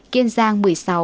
kiên giang một mươi sáu